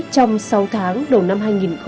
trong sáu tháng đầu năm hai nghìn hai mươi